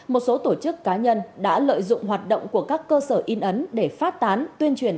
một số tổ chức cá nhân đã lợi dụng hoạt động của các cơ sở in ấn để phát tán tuyên truyền